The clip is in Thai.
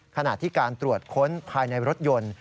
ขณะที่การตรวจค้นภายในรถยนต์